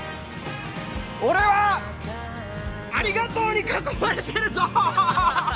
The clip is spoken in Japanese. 俺はありがとうに囲まれてるぞ！